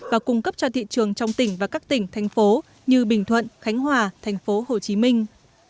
và cung cấp cho thị trường trong tỉnh và các tỉnh thành phố như bình thuận khánh hòa thành phố hồ chí minh